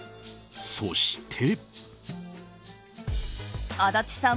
そして。